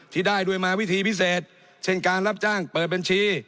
ที่ได้ด้วยมาวิธีพิเศษเช่นการรับจ้างเปิดบัญชี